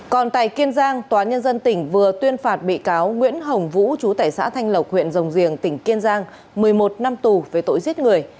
còn tại kiên giang tòa nhân dân tỉnh vừa tuyên phạt bị cáo nguyễn hồng vũ chú tệ xã thanh lộc huyện rồng riềng tỉnh kiên giang một mươi một năm tù về tội giết người